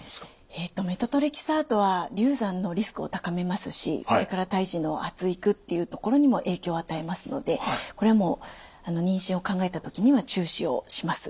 えっとメトトレキサートは流産のリスクを高めますしそれから胎児の発育っていうところにも影響を与えますのでこれはもう妊娠を考えた時には中止をします。